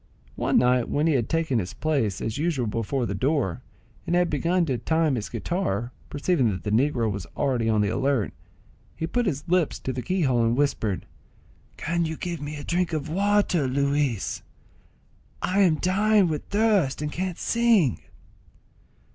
One night when he had taken his place as usual before the door, and had begun to time his guitar, perceiving that the negro was already on the alert, he put his lips to the key hole and whispered, "Can you give me a drop of water, Luis? I am dying with thirst, and can't sing."